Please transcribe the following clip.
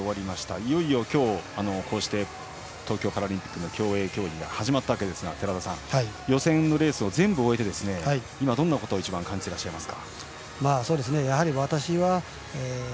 いよいよ今日こうして東京パラリンピックの競泳競技が始まりましたが寺田さん予選のレースを全部終えて今、どんなことを一番感じていますか。